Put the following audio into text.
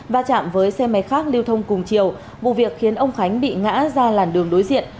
và chạm với xe máy khác lưu thông cùng chiều vụ việc khiến ông khánh bị ngã ra làn đường đối diện